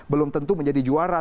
belum tentu menjadi juara